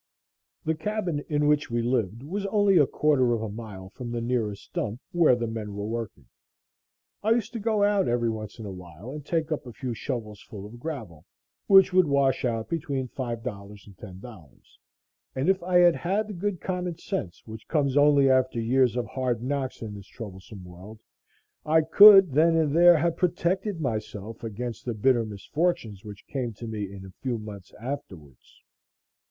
The cabin in which we lived was only a quarter of a mile from the nearest dump where the men were working. I used to go out every once in a while and take up a few shovels full of gravel which would wash out between $5 and $10 and if I had had the good common sense which comes only after years of hard knocks in this troublesome world, I could then and there have protected myself against the bitter misfortunes which came to me in a few months afterwards.